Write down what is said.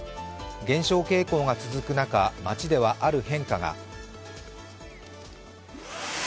減少傾向が続く中、街ではある変化が。